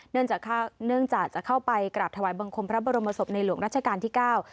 เนื่องจากเนื่องจากจะเข้าไปกราบถวายบังคมพระบรมศพในหลวงรัชกาลที่เก้า